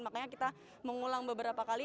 makanya kita mengulang beberapa kali